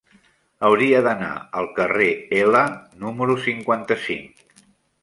Hauria d'anar al carrer L número cinquanta-cinc.